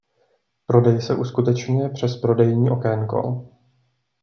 Prodej se uskutečňuje přes prodejní okénko.